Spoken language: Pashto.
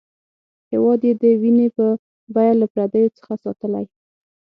هېواد یې د وینې په بیه له پردیو څخه ساتلی.